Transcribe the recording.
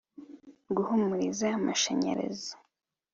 guhumuriza amashanyarazi.